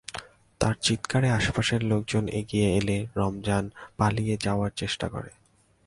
তাঁর চিৎকারে আশপাশের লোকজন এগিয়ে এলে রমজান পালিয়ে যাওয়ার চেষ্টা করে।